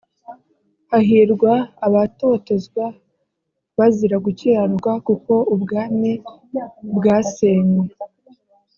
hahirwa abatotezwa bazira gukiranuka kuko ubwami bwasenywe